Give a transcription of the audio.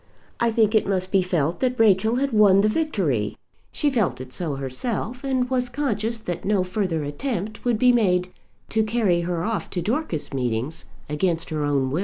I think it must be felt that Rachel had won the victory. She felt it so herself, and was conscious that no further attempt would be made to carry her off to Dorcas meetings against her own will.